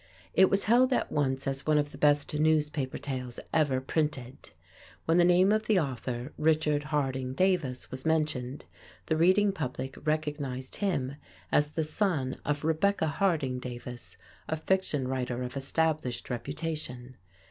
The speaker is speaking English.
It was held at once as one of the best newspaper tales ever printed. When the name of the author, Richard Harding Davis, was mentioned, the reading public recognized him as the son of Rebecca Harding Davis, a fiction writer of established reputation.